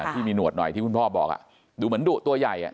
ที่มีหนวดหน่อยที่คุณพ่อบอกดูเหมือนดุตัวใหญ่